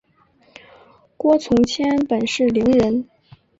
郭从谦本是伶人。